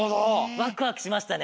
ワクワクしましたね。